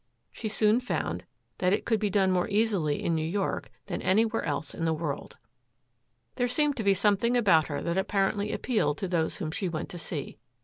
She soon, found that it could be done more easily in New York than anywhere else in the world. There seemed to be something about her that apparently appealed to those whom she went to see.